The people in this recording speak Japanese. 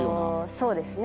そうですね。